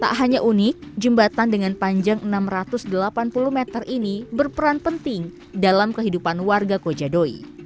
tak hanya unik jembatan dengan panjang enam ratus delapan puluh meter ini berperan penting dalam kehidupan warga kojadoi